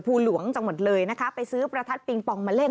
ภูหลวงจังหวัดเลยนะคะไปซื้อประทัดปิงปองมาเล่น